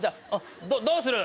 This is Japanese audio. どうする？